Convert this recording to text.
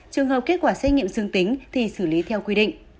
trường hợp kết quả xét nghiệm dương tính thì xử lý theo quy định